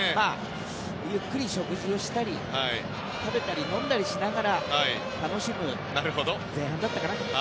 ゆっくり食事をしたり食べたり飲んだりしたりしながら楽しむ前半だったかな。